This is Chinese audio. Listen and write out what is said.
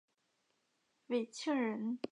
讳庆仁。